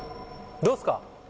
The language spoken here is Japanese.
どうっすか？